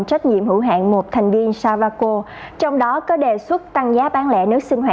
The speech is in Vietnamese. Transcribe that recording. trách nhiệm hữu hạng một thành viên savaco trong đó có đề xuất tăng giá bán lẻ nước sinh hoạt